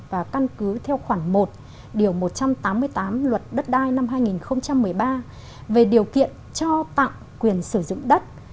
và căn cứ theo khoản một điều một trăm tám mươi tám luật đất đai năm hai nghìn một mươi ba về điều kiện cho tặng quyền sử dụng đất